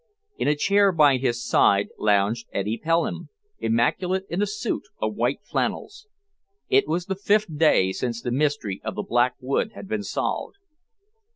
In a chair by his side lounged Eddy Pelham, immaculate in a suit of white flannels. It was the fifth day since the mystery of the Black Wood had been solved.